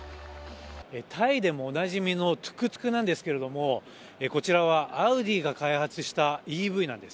タイでもおなじみのトゥクトゥクなんですけれどもこちらはアウディが開発したＥＶなんです。